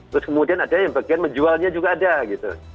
terus kemudian ada yang bagian menjualnya juga ada gitu